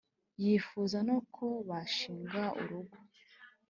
yifuza no ko bashinga urugo.